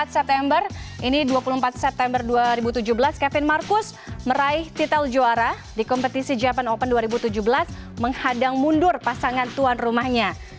empat september ini dua puluh empat september dua ribu tujuh belas kevin marcus meraih titel juara di kompetisi japan open dua ribu tujuh belas menghadang mundur pasangan tuan rumahnya